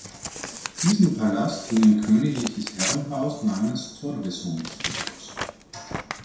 Diesem Palast ging ein königliches Herrenhaus namens „Torvesund“ voraus.